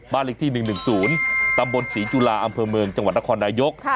เลขที่๑๑๐ตำบลศรีจุฬาอำเภอเมืองจังหวัดนครนายก